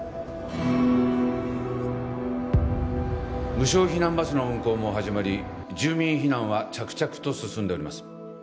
無償避難バスの運行も始まり住民避難は着々と進んでおります